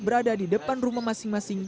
berada di depan rumah masing masing